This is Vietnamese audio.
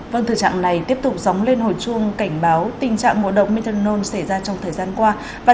vâng thực trạng này tiếp tục dóng lên hồi chuông cảnh báo tình trạng ngộ độc methanol xảy ra trong thời gian qua